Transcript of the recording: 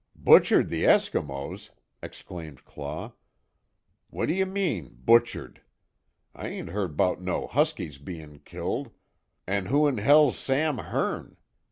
"Butchered the Eskimos!" exclaimed Claw, "What d'you mean butchered? I ain't heard 'bout no Huskies bein' killed, an' who in hell's Sam Hearne?